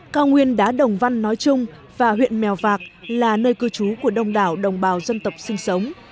cao nguyên đá đồng văn nói chung và huyện mèo vạc là nơi cư trú của đông đảo đồng bào dân tộc sinh sống